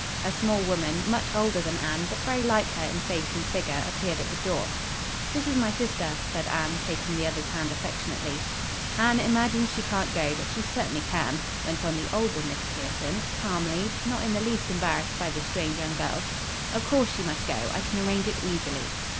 A small woman, much older than Anne, but very like her in face and figure, appeared at the door. "This is my sister," said Anne, taking the other's hand affectionately. "Anne imagines she can't go, but she certainly can," went on the older Miss Pierson, calmly, not in the least embarrassed by the strange young girls. "Of course, she must go. I can arrange it easily."